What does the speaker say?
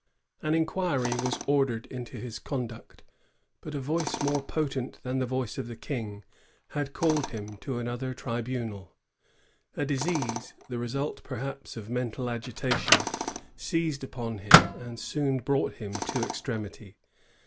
An inquiry was ordered into his conduct; but a voice more potent than the voice of the King had called him to another tribunal. A disease, the result perhaps of mental agitation, seized upon him and soon brought him to extremity.